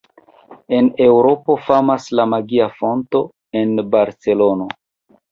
En Eŭropo famas la Magia Fonto en Barcelono.